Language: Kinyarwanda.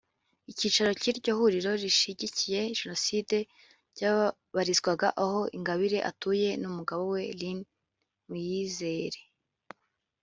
Icyicaro cy’iryo huriro rishyigikiye Jenoside ryabarizwaga aho Ingabire atuye n’umugabo we Lin Muyizere